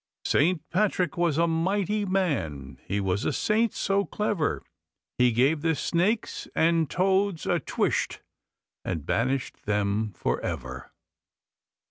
Saint Patrick was a mighty man, He was a Saint so clever, He gave the snakes and toads a twisht! And banished them for ever.